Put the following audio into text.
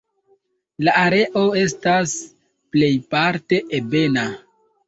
La areo estas plejparte ebena.